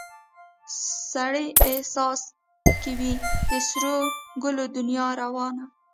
سړي احساس کې وي د سرو ګلو دنیا روانه